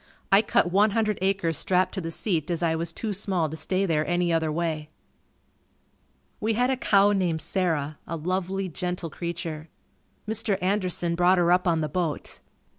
I cut one hundred acres strapped to the seat as I was too small to stay there any other way. We had a cow named Sarah. A lovely, gentle creature. Mr. Anderson brought her up on the boat.